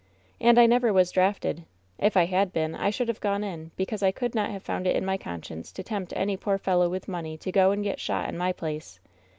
And I never was drafted ; if I had been I should have gone in, because I could not have found it in my con science to tempt any poor fellow with money to go and get shot in my place.